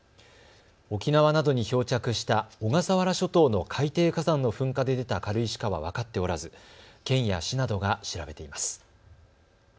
沖縄などに漂着した小笠原諸島の海底火山の噴火で出た軽石かは分かっておらず県や市などが調べています。